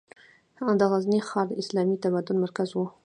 د غزني ښار د اسلامي تمدن مرکز و.